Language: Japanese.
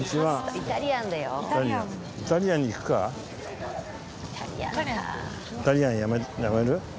イタリアンやめる？